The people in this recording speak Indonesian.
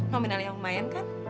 membenar yang lumayan kan